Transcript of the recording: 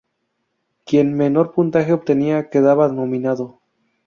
Quien menor puntaje obtenía quedaba nominado.